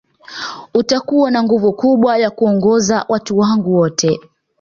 Utakuwa na nguvu kubwa ya kuongoza watu wangu wote